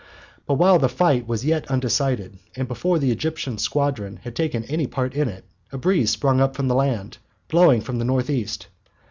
But while the fight was yet undecided and before the Egyptian squadron had taken any part in it, a breeze sprang up from the land, blowing from the north east.